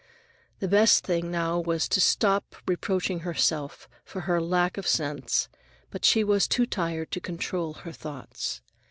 The best thing now was to stop reproaching herself for her lack of sense, but she was too tired to control her thoughts.